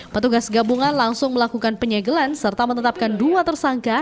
petugas gabungan langsung melakukan penyegelan serta menetapkan dua tersangka